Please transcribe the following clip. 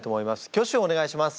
挙手をお願いします。